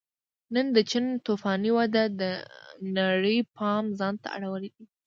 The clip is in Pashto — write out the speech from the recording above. نن د چین توفاني وده د نړۍ پام ځان ته اړولی دی